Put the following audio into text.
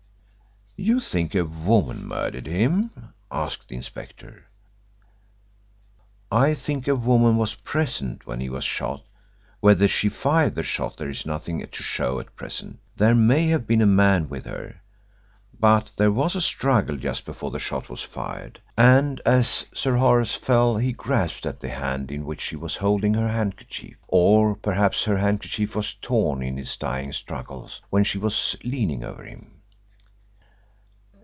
"You think a woman murdered him?" asked the inspector. "I think a woman was present when he was shot: whether she fired the shot there is nothing to show at present. There may have been a man with her. But there was a struggle just before the shot was fired and as Sir Horace fell he grasped at the hand in which she was holding her handkerchief. Or perhaps her handkerchief was torn in his dying struggles when she was leaning over him."